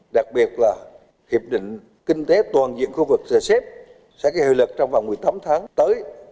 đặc biệt là hiệp định kinh tế toàn diện khu vực dà xếp sẽ có hiệu lực trong vòng một mươi tám tháng tới